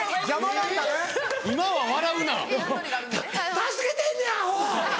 助けてんねやアホ！